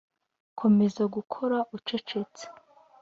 komeza gukora ucecetse.